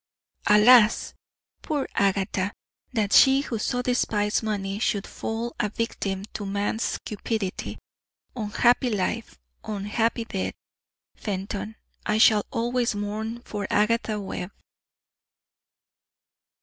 "Alas! poor Agatha! That she, who so despised money, should fall a victim to man's cupidity! Unhappy life, unhappy death! Fenton, I shall always mourn for Agatha Webb."